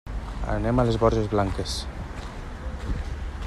Anem a les Borges Blanques.